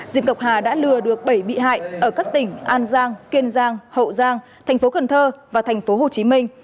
diệp ngọc hà đã lừa được bảy bị hại ở các tỉnh an giang kiên giang hậu giang tp cần thơ và tp hồ chí minh